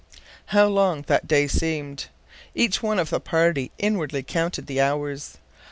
How long that day seemed. Each one of the party inwardly counted the hours.